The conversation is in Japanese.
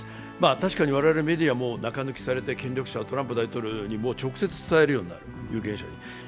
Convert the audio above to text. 確かに我々メディアも中抜きされて、権力者はトランプ大統領に直接伝えるようになるという現象になる。